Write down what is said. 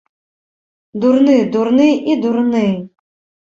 Дурны, дурны і дурны.